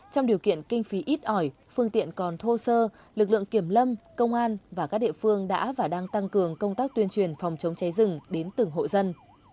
trong điều kiện kinh phí ít ỏi phương tiện còn thô sơ lực lượng kiểm lâm công an và các địa phương đã và đang tăng cường công tác tuyên truyền phòng chống cháy rừng đến từng hộ dân